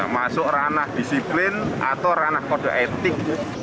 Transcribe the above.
masuk ranah disiplin atau ranah kode etik